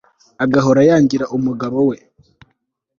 agahora yangira umugabo we